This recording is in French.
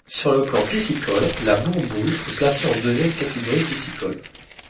Sur le plan piscicole, la Bourboule est classée en deuxième catégorie piscicole.